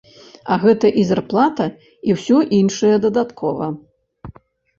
А гэта і зарплата, і ўсё іншае дадаткова.